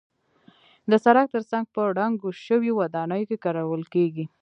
د سړک تر څنګ په ړنګو شویو ودانیو کې کارول کېږي.